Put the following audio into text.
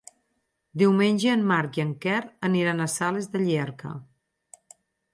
Diumenge en Marc i en Quer aniran a Sales de Llierca.